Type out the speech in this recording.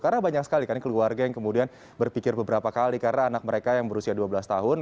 karena banyak sekali keluarga yang kemudian berpikir beberapa kali karena anak mereka yang berusia dua belas tahun